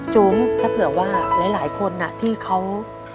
จุ๋มแค่เผื่อว่าหลายคนนะ